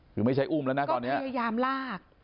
คือไม่ใช่อุ้มแล้วนะตอนนี้พยายามลาก